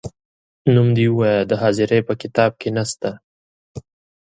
نوم دي ووایه د حاضرۍ په کتاب کې نه سته ،